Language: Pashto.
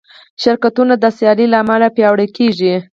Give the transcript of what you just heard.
شرکتونه د سیالۍ له امله پیاوړي کېږي.